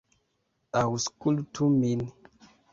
Aŭskultu min.